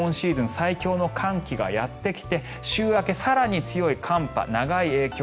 最強の寒気がやってきて週明け、更に強い寒波長い影響